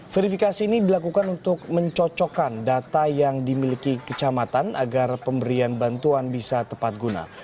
verifikasi ini dilakukan untuk mencocokkan data yang dimiliki kecamatan agar pemberian bantuan bisa tepat guna